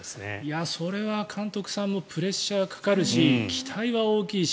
それは監督さんもプレッシャーがかかるし期待は大きいし。